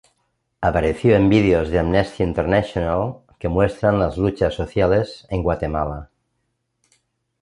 Apareció en videos de Amnesty International que muestran las luchas sociales en Guatemala.